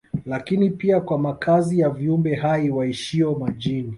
Lakini pia kwa makazi ya viumbe hai waishio majini